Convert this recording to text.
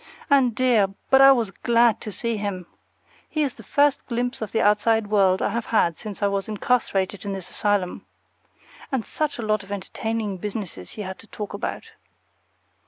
And dear, but I was glad to see him! He is the first glimpse of the outside world I have had since I was incarcerated in this asylum. And such a lot of entertaining businesses he had to talk about!